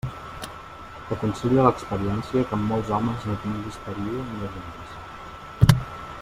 T'aconsella l'experiència que amb molts homes no tinguis paria ni avinença.